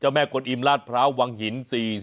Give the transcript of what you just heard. เจ้าแม่กรอยหิ่มลาสพราววังหิน๔๑๔๓